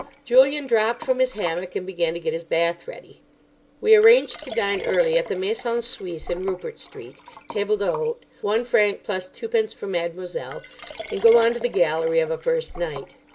Julian dropped from his hammock, and began to get his bath ready. We arranged to dine early at the Maison Suisse in Rupert Street—table d'hôte one franc, plus twopence for mad'moiselle—and go on to the gallery of a first night.